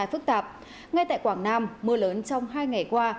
phức tạp ngay tại quảng nam mưa lớn trong hai ngày qua